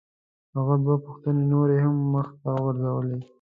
هغه دوه پوښتنې نورې هم مخ ته وغورځولې.